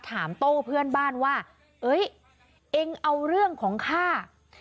โต้เพื่อนบ้านว่าเอ้ยเองเอาเรื่องของข้า